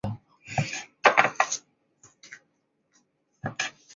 是日本的日本电视动画的作品。